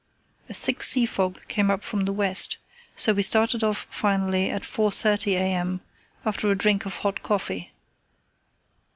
A thick sea fog came up from the west, so we started off finally at 4.30 a.m., after a drink of hot coffee.